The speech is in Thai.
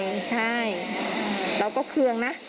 แล้วก็เครื่องนะ